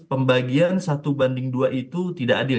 pembagian satu banding dua itu tidak adil